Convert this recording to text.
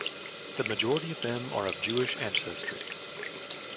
The majority of them are of Jewish ancestry.